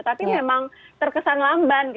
tapi memang terkesan lamban